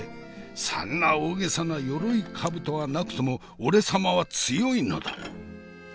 そんな大げさなよろいかぶとがなくとも俺様は強いのだ。